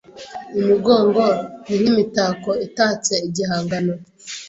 Imigongo Ni nk’imitako itatse igihangano